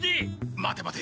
待て待て。